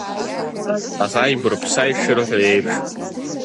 Аӷа игәырԥса ишырҳәо еиԥш…